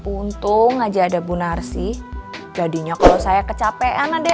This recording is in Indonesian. untuk aja ada bunar sih jadinya kalau saya kecapean ada nijetin